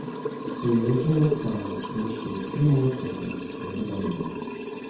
The original plan of commissioning three more paintings was abandoned.